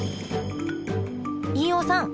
飯尾さん